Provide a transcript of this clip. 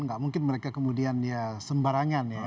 tidak mungkin mereka kemudian sembarangan ya